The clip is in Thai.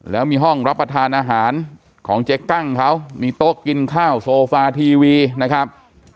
แล้วมีห้องรับประทานอาหารของเจ๊กั้งเขามีโต๊ะกินข้าวโซฟาทีวีนะครับ